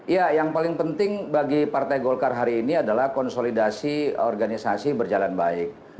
ya yang paling penting bagi partai golkar hari ini adalah konsolidasi organisasi berjalan baik